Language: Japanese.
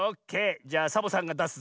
じゃサボさんがだすぞ。